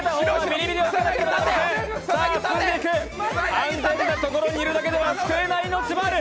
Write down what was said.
安全なところにいるだけでは救えない命もある。